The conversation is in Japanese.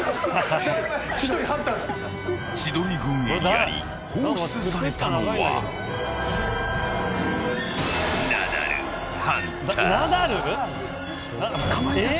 千鳥軍エリアに放出されたのはナダルハンター。